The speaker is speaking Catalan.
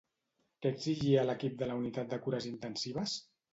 Què exigia l'equip de la unitat de cures intensives?